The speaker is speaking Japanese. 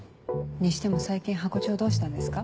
にしても最近ハコ長どうしたんですか？